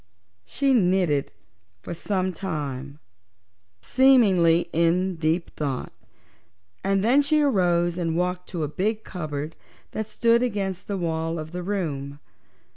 She knitted for some time, seemingly in deep thought, and then she arose and walked to a big cupboard that stood against the wall of the room.